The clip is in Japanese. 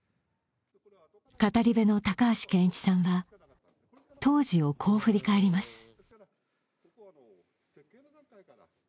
語り部の高橋健一さんは当時をこう振り返ります。